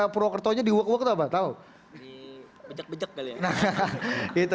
purokertonya di uok uok atau apa